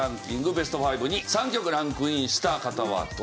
ベスト５に３曲ランクインした方はどなたなんでしょうか？